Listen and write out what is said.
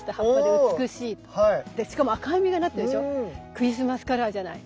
クリスマスカラーじゃない。